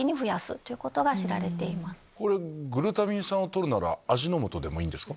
グルタミン酸を取るなら味の素でもいいんですか？